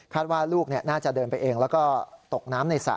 ว่าลูกน่าจะเดินไปเองแล้วก็ตกน้ำในสระ